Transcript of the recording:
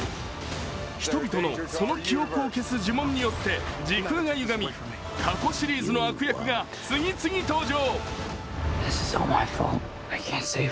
人々のその記憶を消す呪文によって時空がゆがみ過去シリーズの悪役が次々登場。